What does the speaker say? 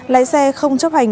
lái xe không chấp hành